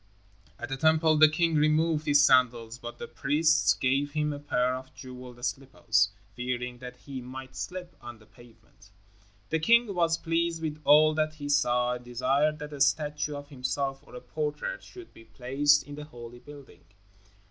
At the Temple the king removed his sandals, but the priests gave him a pair of jeweled slippers, fearing that he might slip on the pavement. The king was pleased with all that he saw and desired that a statue of himself, or a portrait, should be placed in the holy building.